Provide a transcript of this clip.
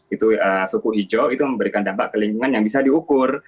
itu suhu hijau itu memberikan dampak ke lingkungan yang bisa diukur